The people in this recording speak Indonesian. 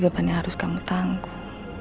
beban yang harus kamu tangguh